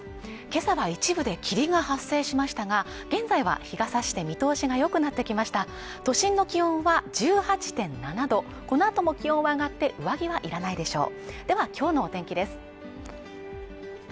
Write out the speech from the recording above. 今朝は一部で霧が発生しましたが現在は日がさして見通しがよくなってきました都心の気温は１８．７度このあとも気温は上がって上着は要らないでしょう